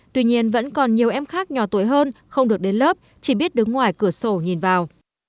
tuy nhiên vẫn còn nhiều em khác nhỏ tuổi hơn không được đến lớp chỉ biết đứng ngoài cửa sổ nhìn vào